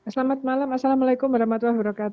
selamat malam assalamualaikum wr wb